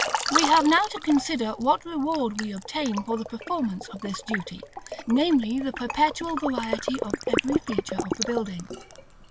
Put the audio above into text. We have now to consider what reward we obtain for the performance of this duty, namely, the perpetual variety of every feature of the building.